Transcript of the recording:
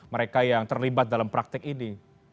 mereka yang terlibat dalam praktek ini